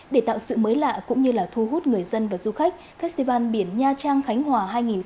để tạo sự mới lạ cũng như thu hút người dân và du khách festival biển nha trang khánh hòa hai nghìn hai mươi ba